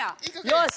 よし！